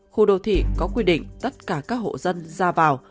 khu đô thị có quy định tất cả các hộ dân ra vào